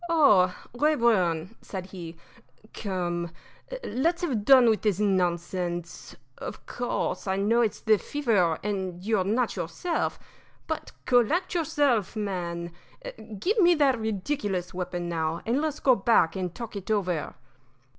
"Oh, Rayburn!" said he, "come, let's have done with this nonsense. Of course, I know it's the fever and you're not yourself; but collect yourself, man give me that ridiculous weapon, now, and let's go back and talk it over."